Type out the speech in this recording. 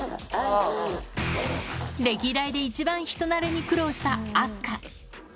歴代で一番人なれに苦労した明日香。